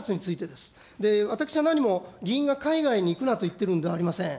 で、私は何も、議員が海外に行くなと言ってるのではありません。